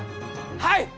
はい！